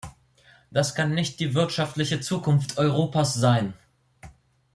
Das kann nicht die wirtschaftliche Zukunft Europas sein!